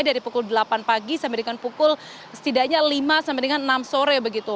dari pukul delapan pagi sampai dengan pukul setidaknya lima sampai dengan enam sore begitu